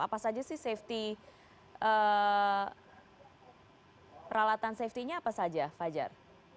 apa saja sih safety peralatan safety nya apa saja fajar